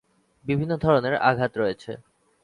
বিভিন্ন ধরনের আঘাত আছে।